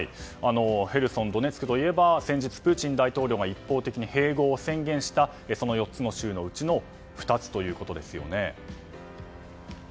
ヘルソン、ドネツクといえば先日、プーチン大統領が一方的に併合を宣言した４つの州のうちの２つということですよね。